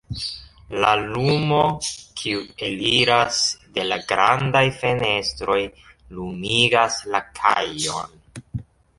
La lumo, kiu eliras de la grandaj fenestroj lumigas la kajon.